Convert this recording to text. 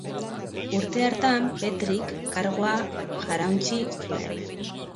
Urte hartan Petrik kargua jarauntsi zuen.